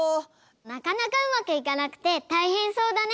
なかなかうまくいかなくてたいへんそうだね。